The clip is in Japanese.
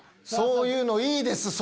そういうのいいです！